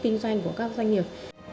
kinh doanh của các doanh nghiệp